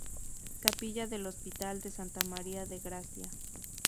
Capilla del Hospital de Santa María de Gracia.